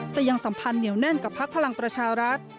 ยังสัมพันธ์เหนียวแน่นกับพักพลังประชารัฐ